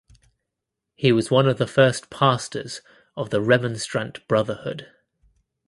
He was one of the first pastors of the Remonstrant Brotherhood.